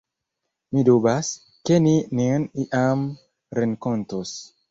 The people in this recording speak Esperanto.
Mi dubas, ke ni nin iam renkontos.